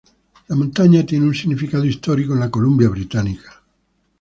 La montaña tiene un significado histórico en la Columbia Británica.